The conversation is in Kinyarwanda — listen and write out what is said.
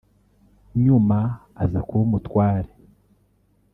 nyuma aza kuba umutware